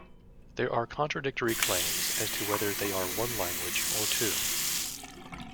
There are contradictory claims as to whether they are one language or two.